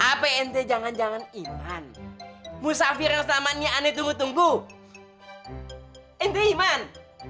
apa ente jangan jangan iman musafir yang selamatnya aneh tunggu tunggu ente iman